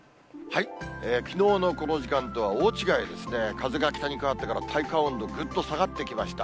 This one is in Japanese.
きのうのこの時間とは大違いですね、風が北に変わってから、体感温度、ぐっと下がっていきました。